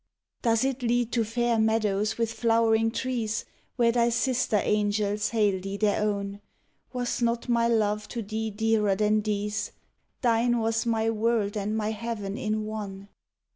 Does it lead to fair meadows with flowering trees, Where thy sister angels hail thee their own? Was not my love to thee dearer than these? Thine was my world and my heaven in one.